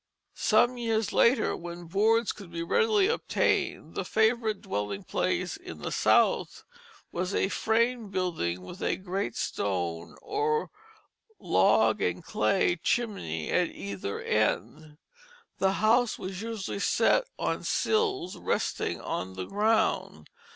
Some years later, when boards could be readily obtained, the favorite dwelling place in the South was a framed building with a great stone or log and clay chimney at either end. The house was usually set on sills resting on the ground.